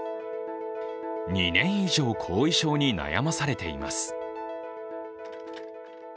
２年以上、後遺症に悩まされています。